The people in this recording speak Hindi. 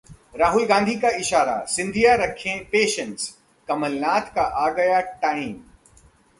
राहुल गांधी का इशारा- सिंधिया रखें 'पेशेंस', कमलनाथ का आ गया 'टाइम'